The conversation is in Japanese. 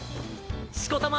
しこたま